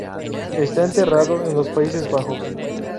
Está enterrado en los Países Bajos.